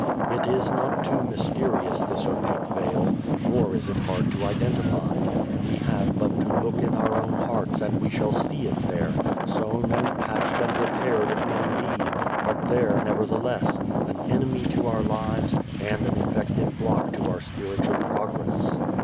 It is not too mysterious, this opaque veil, nor is it hard to identify. We have but to look in our own hearts and we shall see it there, sewn and patched and repaired it may be, but there nevertheless, an enemy to our lives and an effective block to our spiritual progress.